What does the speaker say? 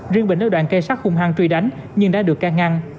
riêng bình đã đoạn cây sắt hung hăng truy đánh nhưng đã được ca ngăn